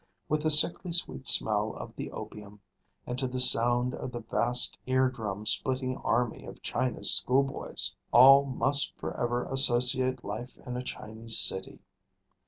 With the sickly sweet smell of the opium, and to the sound of the vast ear drum splitting army of China's schoolboys, all must for ever associate life in a Chinese city.